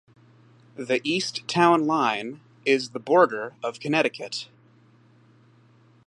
The east town line is the border of Connecticut.